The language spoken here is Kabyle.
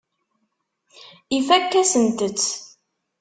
Ifakk-asent-t.